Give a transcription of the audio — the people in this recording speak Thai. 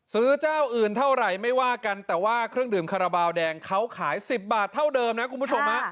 ซื้อเจ้าอื่นเท่าไหร่ไม่ว่ากันแต่ว่าเครื่องดื่มคาราบาลแดงเขาขาย๑๐บาทเท่าเดิมนะคุณผู้ชมฮะ